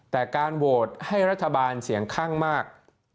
แต่การโหวตให้รัฐบาลเสียงข้างมาก